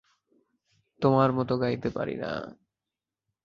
তোমার মত গাইতে পারি না।